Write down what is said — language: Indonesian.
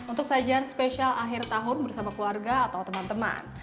untuk sajian spesial akhir tahun bersama keluarga atau teman teman